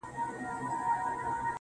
ستا سومه، چي ستا سومه، چي ستا سومه,